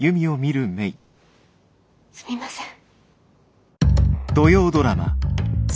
すみません。